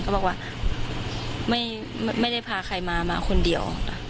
บอกว่าไม่ได้พาใครมามาคนเดียว